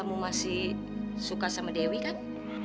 kamu masih suka sama dewi kan